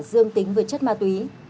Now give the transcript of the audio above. dương tính với chất ma túy